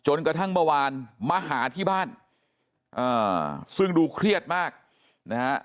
กระทั่งเมื่อวานมาหาที่บ้านซึ่งดูเครียดมากนะฮะ